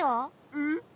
えっ。